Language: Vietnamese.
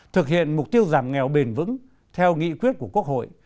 thực hiện mục tiêu giảm nghèo bền vững theo nghị quyết của quốc hội